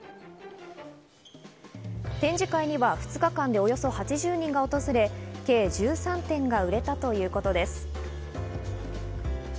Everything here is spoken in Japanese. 展示会には２日間でおよそ８０人が訪れ、計１３点が売れたということです。